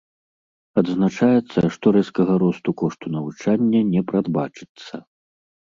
Адзначаецца, што рэзкага росту кошту навучання не прадбачыцца.